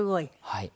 はい。